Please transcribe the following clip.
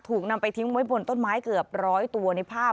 ถูกนำไปทิ้งไว้บนต้นไม้เกือบร้อยตัวในภาพ